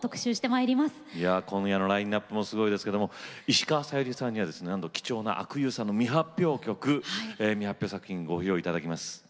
いやぁ今夜のラインナップもすごいですけども石川さゆりさんにはですねなんと貴重な阿久さんの未発表曲未発表作品ご披露頂きます。